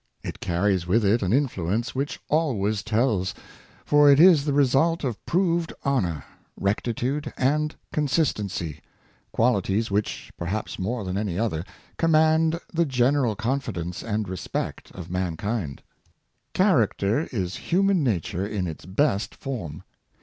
It carries with it an influence which always tells; for it is the result of proved honor, recti tude, and consistency — qualities which, perhaps more than any other, command the general confidence and respect of mankind. Character is human nature in its best form.